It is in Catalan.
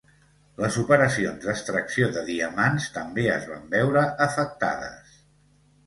Les operacions d'extracció de diamants també es van veure afectades.